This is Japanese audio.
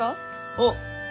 あっ！